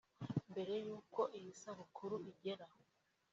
Mbere y’uko iyi sabukuru igera